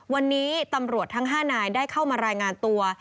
วันนี้ตำรวจทั้ง๕นายได้เข้ามารายงานตัว